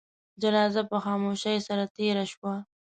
جنازه په خاموشی سره تېره شوه.